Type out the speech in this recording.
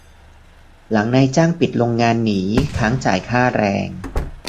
หลังนายจ้างปิดโรงงานหนี-ค้างจ่ายค่าแรง